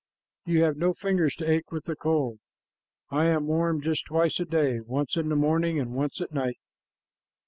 You have no fingers to ache with the cold. I am warm just twice a day, once in the morning and once at night."